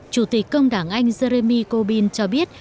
chủ tịch công đảng anh jeremy corbyn cho biết